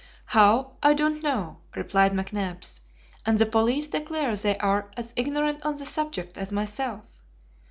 "How, I don't know," replied McNabbs; "and the police declare they are as ignorant on the subject as myself.